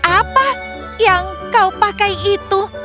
apa yang kau pakai itu